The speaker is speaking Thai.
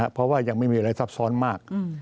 เพราะว่ายังไม่มีอะไรซับซ้อนมาก